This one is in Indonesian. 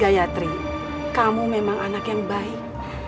gayatri kamu memang anak yang baik